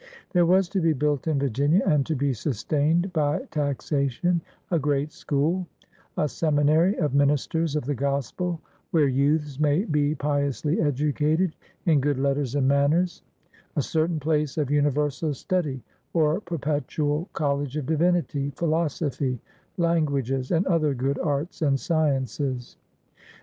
There was to be built in Virginia and to be sustained by taxation a great school, ^^a seminary of ministers of the gospel where youths may be piously educated in good letters and manners; a certain place of imiversal study, or perpetual col lege of divinity, philosophy, languages and other good arts and sciences.